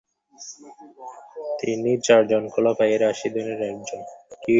তিনি চারজন খুলাফায়ে রাশিদুনের একজন।